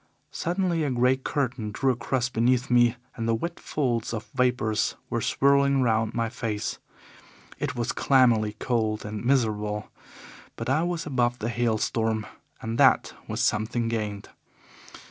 Suddenly a grey curtain drew across beneath me and the wet folds of vapours were swirling round my face. It was clammily cold and miserable. But I was above the hail storm, and that was something gained.